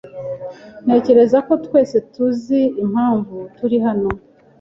Ntekereza ko twese tuzi impamvu turi hano.